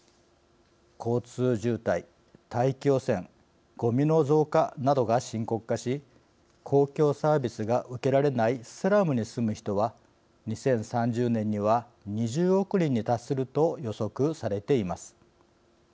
交通渋滞、大気汚染ごみの増加などが深刻化し公共サービスが受けられないスラムに住む人は２０３０年には２０億人に達すると予測されています。